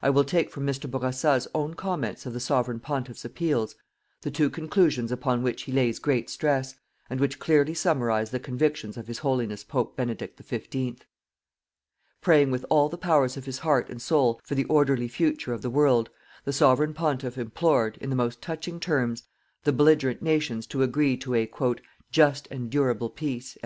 I will take from Mr. Bourassa's own comments of the Sovereign Pontiff's appeals, the two conclusions upon which he lays great stress, and which clearly summarize the convictions of His Holiness Pope Benedict XV. Praying with all the powers of His heart and soul for the orderly future of the world, the Sovereign Pontiff implored, in the most touching terms, the belligerent nations to agree to a "JUST AND DURABLE PEACE."